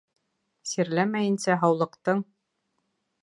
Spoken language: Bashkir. Сирләмәйенсә һаулыҡтың